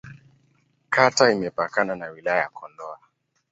Kata imepakana na Wilaya ya Kondoa.